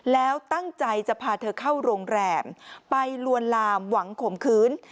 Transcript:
แล้วตั้งใจจะพาเธอเข้าโรงแรมไปลวนลามหวังข่มขืน